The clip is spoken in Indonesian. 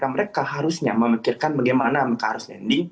mereka harusnya memikirkan bagaimana mereka harus landing